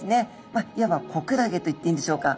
まあいわば子クラゲといっていいんでしょうか。